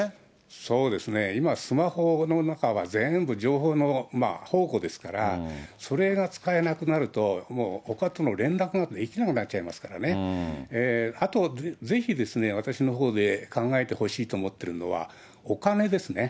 そうですね、今、スマホの中は全部情報の宝庫ですから、それが使えなくなると、ほかとの連絡ができなくなっちゃいますからね、あとぜひですね、私のほうで考えてほしいと思っているのは、お金ですね。